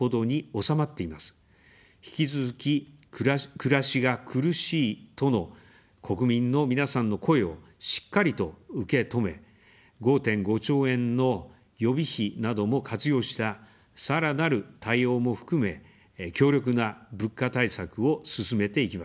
引き続き、暮らしが苦しいとの国民の皆さんの声をしっかりと受け止め、５．５兆円の予備費なども活用した、さらなる対応も含め、強力な物価対策を進めていきます。